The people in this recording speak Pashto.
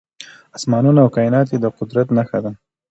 اسمانونه او کائنات يې د قدرت نښه ده .